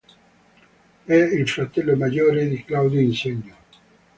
È il fratello maggiore di Claudio Insegno.